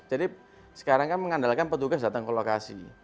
jadi sekarang kan mengandalkan petugas datang ke lokasi